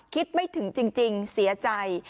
คิดไม่ถึงจริงเสียใจ